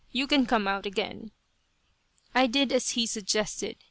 You can come out again." I did as he suggested.